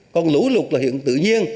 còn lũ lục là hiện tự nhiên